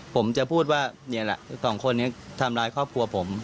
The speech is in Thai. ผมจะพูดว่านี่แหละสองคนนี้ทำร้ายครอบครัวผม